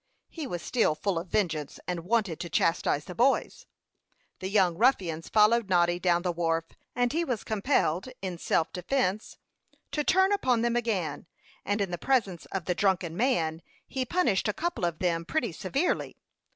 He was still full of vengeance, and wanted to chastise the boys. The young ruffians followed Noddy down the wharf, and he was compelled, in self defence, to turn upon them again, and in presence of the drunken man he punished a couple of them pretty severely.